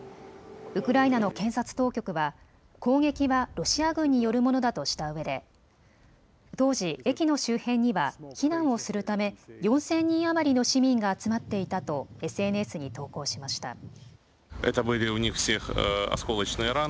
ウクライナの検察当局は攻撃はロシア軍によるものだとしたうえで当時、駅の周辺には避難をするため４０００人余りの市民が集まっていたとＳＮＳに投稿しました。